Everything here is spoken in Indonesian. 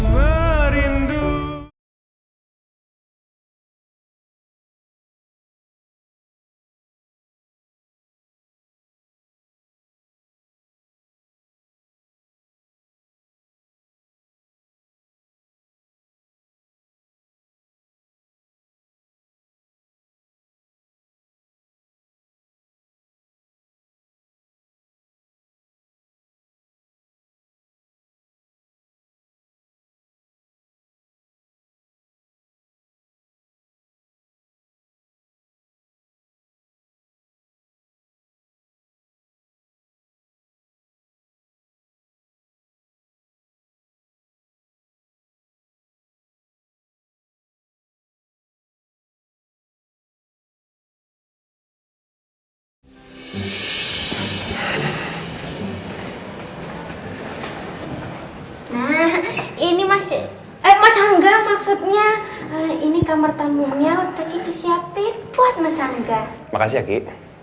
terima kasih aki